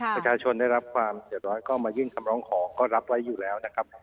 ประชาชนได้รับความเดือดร้อนก็มายื่นคำร้องขอก็รับไว้อยู่แล้วนะครับ